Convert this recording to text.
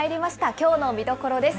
きょうの見どころです。